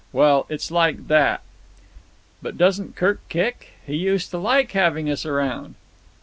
Well, it's like that." "But doesn't Kirk kick? He used to like having us around."